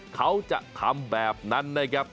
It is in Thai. เขาจะทำแบบนั้นนะครับ